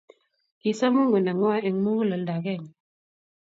Kisaa mungu neng'wang eng miguledo akenge.